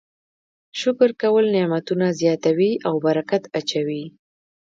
شکر کول نعمتونه زیاتوي او برکت اچوي.